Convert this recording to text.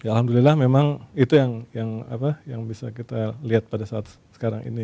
alhamdulillah memang itu yang bisa kita lihat pada saat sekarang ini